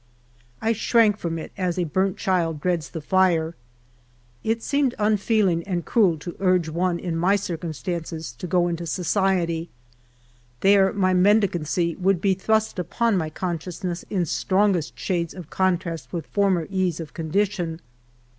I shrank from it as a " burnt child dreads the lire/' It seemed unfeeling and cruel to urge one in my circumstances to go into society. There my mendicancy would be thrust upon my conscious ness in strongest shades of contrast with former ease of con dition.